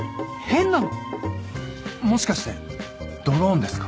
もしかしてドローンですか？